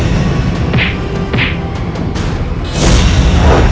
kepada ketiga dukun santri